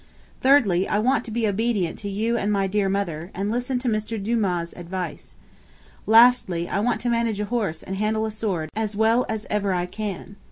Thirdly, I want to be obedient to you and my dear mother; and listen to Mr Dumas's advice. Lastly, I want to manage a horse and handle a sword as well as ever I can.'